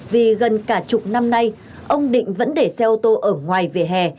vì gần cả chục năm nay ông định vẫn để xe ô tô ở ngoài vỉa hè